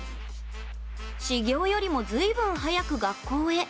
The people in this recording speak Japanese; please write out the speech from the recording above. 始業よりも、ずいぶん早く学校へ。